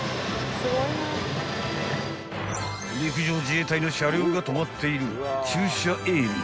［陸上自衛隊の車両が止まっている］